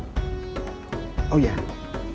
sumbangan dari em